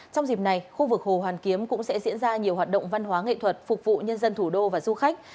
trong dịp này khu vực hồ hoàn kiếm cũng sẽ diễn ra nhiều hoạt động văn hóa nghệ thuật phục vụ nhân dân thủ đô và du khách